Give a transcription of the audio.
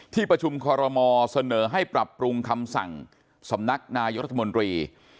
ที่ประชุมคอรมอเสนอให้ปรับปรุงคำสั่งสำนักนายรัฐมนตรี